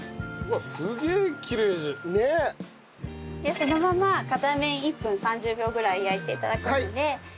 そのまま片面１分３０秒ぐらい焼いて頂くので。